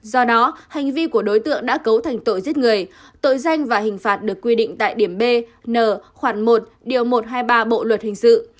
do đó hành vi của đối tượng đã cấu thành tội giết người tội danh và hình phạt được quy định tại điểm b n một điều một trăm hai mươi ba bộ luật hình sự